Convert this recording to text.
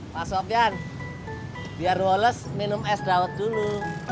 pak sofyan biar roles minum es dawet dulu